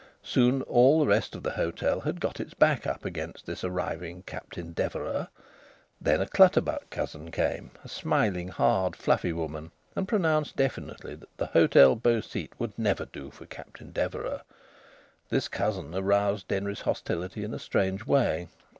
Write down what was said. Soon all the rest of the hotel had got its back up against this arriving Captain Deverax. Then a Clutterbuck cousin came, a smiling, hard, fluffy woman, and pronounced definitely that the Hôtel Beau Site would never do for Captain Deverax. This cousin aroused Denry's hostility in a strange way.